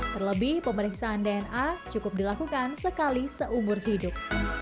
terlebih pemeriksaan dna cukup dilakukan sekali seumur hidup